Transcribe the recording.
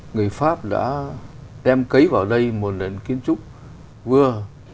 người pháp đã đem cấy vào đây một lần kiến trúc vừa